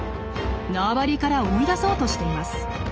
縄張りから追い出そうとしています。